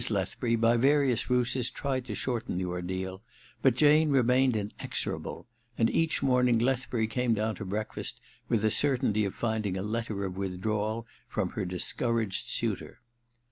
Lethbury, by various ruses, tried to shorten the ordeal, but Jane remained inexor able ; and each morning Lethbury came down to breakfast with the certainty of finding a letter of withdrawal from her discouraged suitor.